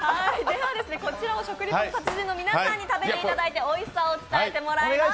こちらを食リポの達人に食べていただいておいしさを伝えてもらいます。